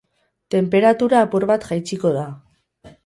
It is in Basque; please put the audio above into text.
Tenperatura apur bat jaitsiko da.